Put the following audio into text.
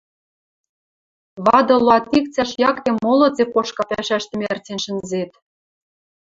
Вады луатик цӓш якте моло цепошка пӓшӓштӹ мерцен шӹнзет.